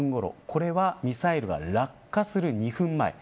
これはミサイルが落下する２分前。